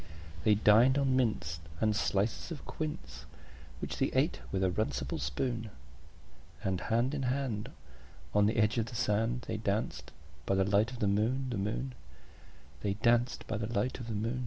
They dined on mince and slices of quince, Which they ate with a runcible spoon; And hand in hand, on the edge of the sand, They danced by the light of the moon, The moon, The moon, They d